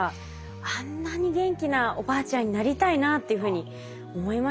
あんなに元気なおばあちゃんになりたいなっていうふうに思いましたね。